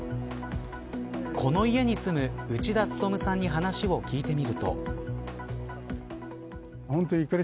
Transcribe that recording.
この家に住む内田努さんに話を聞いてみると。